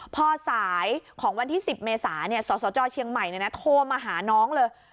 พอสายของวันที่๑๐เมษาสสจเชียงใหม่โทรมาหาน้องเลย